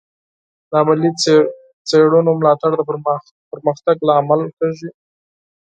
د علمي څیړنو ملاتړ د پرمختګ لامل کیږي.